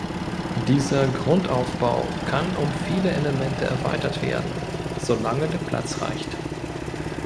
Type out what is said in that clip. Dieser Grundaufbau kann um viele Elemente erweitert werden, solange der Platz reicht.